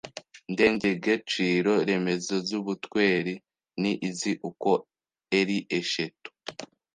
ndengegeciro remezo z’ubutweri ni izi uko eri eshetu